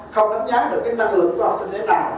không đánh giá được cái năng lượng của học sinh thế nào